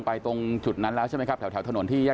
บางครั้งเนี่ยก็จะตีกลับหรือว่าทำให้อ่า